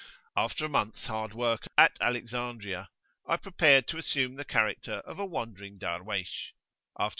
After a month's hard work at Alexandria, I prepared to assume the character of a wandering Darwaysh; after [p.